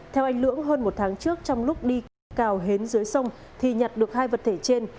theo anh lưỡng hơn một tháng trước trong lúc đi cào hến dưới sông thì nhặt được hai vật thể trên